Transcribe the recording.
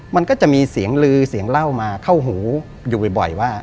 มันก็จะมีเสียงลือเสียงเล่ามาเข้าหูอยู่บ่อยว่า